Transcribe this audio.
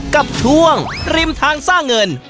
กับช่วงริมทางสร้างเงิน